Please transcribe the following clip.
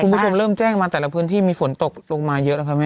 คุณผู้ชมเริ่มแจ้งมาแต่ละพื้นที่มีฝนตกลงมาเยอะแล้วครับแม่